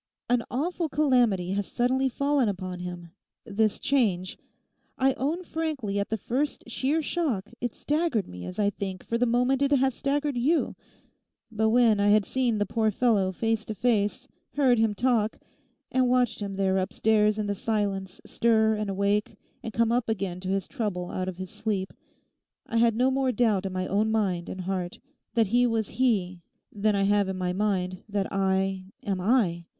An awful calamity has suddenly fallen upon him—this change. I own frankly at the first sheer shock it staggered me as I think for the moment it has staggered you. But when I had seen the poor fellow face to face, heard him talk, and watched him there upstairs in the silence stir and awake and come up again to his trouble out of his sleep. I had no more doubt in my own mind and heart that he was he than I have in my mind that I—am I.